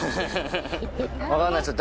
分かんないですよ。